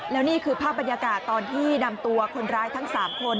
แล้วนี่คือภาพบรรยากาศตอนที่นำตัวคนร้ายทั้ง๓คน